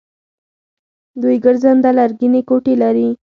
دوی ګرځنده لرګینې کوټې لري.